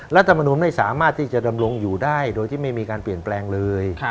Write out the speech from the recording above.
รัฐมนุนไม่สามารถที่จะดำรงอยู่ได้โดยที่ไม่มีการเปลี่ยนแปลงเลย